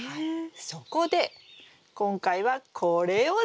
そこで今回はこれを使います。